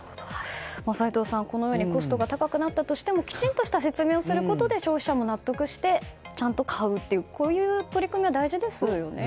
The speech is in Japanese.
齋藤さん、こうしてコストが高くなってもきちんとした説明をすることでお客さんも納得してちゃんと買うという取り組みは大事ですよね。